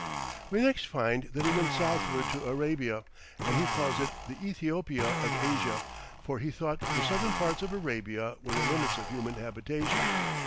We next find that he went southward to Arabia, and he calls it the Ethiopia of Asia, for he thought the southern parts of Arabia were the limits of human habitation.